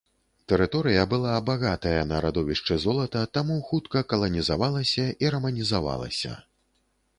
Тэрыторыя была багатая на радовішчы золата, таму хутка каланізавалася і раманізавалася.